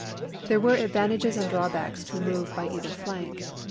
There were advantages and drawbacks to a move by either flank.